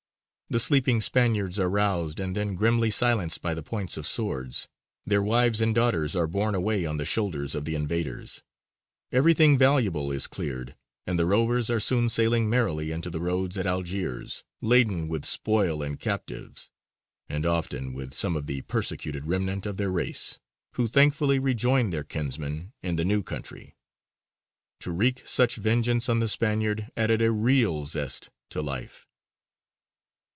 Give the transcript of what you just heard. The sleeping Spaniards are roused and then grimly silenced by the points of swords; their wives and daughters are borne away on the shoulders of the invaders; everything valuable is cleared; and the rovers are soon sailing merrily into the roads at Algiers, laden with spoil and captives, and often with some of the persecuted remnant of their race, who thankfully rejoin their kinsmen in the new country. To wreak such vengeance on the Spaniard added a real zest to life. [Illustration: CARAVEL OF THE FIFTEENTH CENTURY. (_Jurien de la Gravière.